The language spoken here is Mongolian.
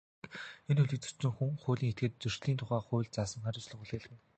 Энэ хуулийг зөрчсөн хүн, хуулийн этгээдэд Зөрчлийн тухай хуульд заасан хариуцлага хүлээлгэнэ.